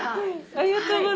ありがとうございます。